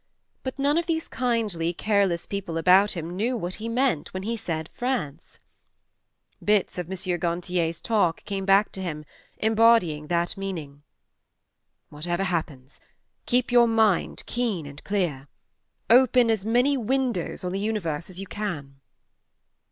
But none of these kindly careless people about him knew what he meant when he said "France." Bits of M. Gantier's talk came back to him, embodying that meaning. " Whatever happens, keep your mind keen and clear : open as many windows on the universe as you can.